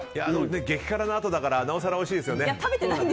激辛のあとだからなおさらおいしいですよね。